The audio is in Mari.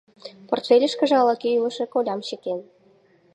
— Портфельышкыже ала-кӧ илыше колям чыкен.